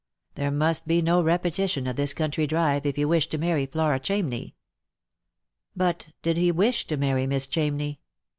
There must be no repetition of this country drive, if he wished to marry Flora Chamney. But did he wish to marry Miss Chamney